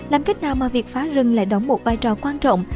làm cách nào mà việc phá rừng lại đóng một vai trò quan trọng